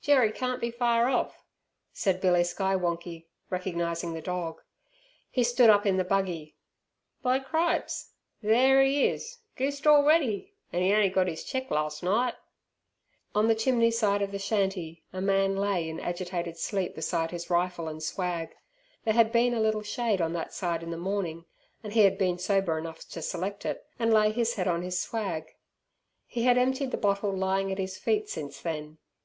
"Jerry can't be far off," said Billy Skywonkie, recognizing the dog. He stood up in the buggy. "By cripes, there 'e is goosed already, an' 'e on'y got 'is cheque lars' night." On the chimney side of the shanty a man lay in agitated sleep beside his rifle and swag. There had been a little shade on that side in the morning, and he had been sober enough to select it, and lay his head on his swag. He had emptied the bottle lying at his feet since then.